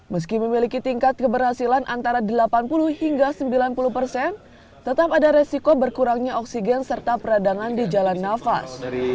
meski memiliki tingkat keberhasilan antara delapan puluh hingga sembilan puluh persen tetap ada resiko berkurangnya oksigen serta peradangan di jalan nafas